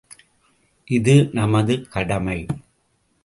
இது நமது கடமை!